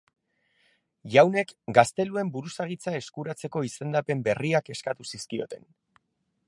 Jaunek gazteluen buruzagitza eskuratzeko izendapen berriak eskatu zizkioten.